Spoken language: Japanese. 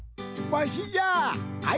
わしじゃあ！